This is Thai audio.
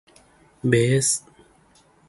เบส